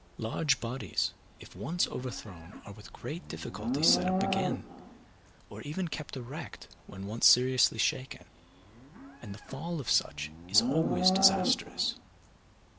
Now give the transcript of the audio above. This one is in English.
Large bodies, if once overthrown, are with great difficulty set up again, or even kept erect when once seriously shaken, and the fall of such is always disastrous.